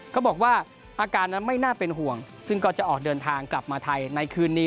เขาบอกว่าอาการนั้นไม่น่าเป็นห่วงซึ่งก็จะออกเดินทางกลับมาไทยในคืนนี้